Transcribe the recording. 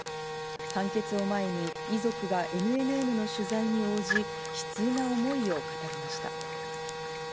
判決を前に、遺族がＮＮＮの取材に応じ、悲痛な思いを語りました。